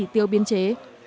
tiêu biên chế